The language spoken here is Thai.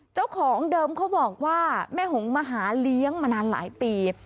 เจ้าของเดิมเขาบอกว่าแม่หงมาหาเลี้ยงมานานหลายปี